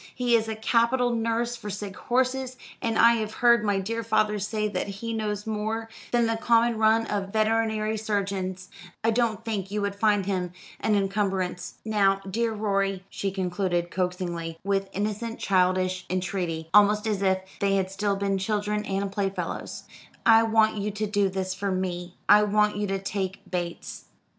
He is a capital nurse for sick horses; and I have heard my dear father say that he knows more than the common run of veterinary surgeons. I don't think you would find him an incumbrance. Now, dear Rorie," she concluded coaxingly, with innocent childish entreaty, almost as if they had still been children and playfellows, "I want you to do this for me I want you to take Bates."